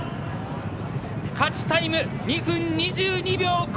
勝ちタイム２分２２秒５。